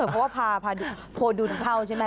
เพราะว่าพาโดนเผาใช่ไหม